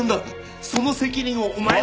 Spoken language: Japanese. その責任をお前は。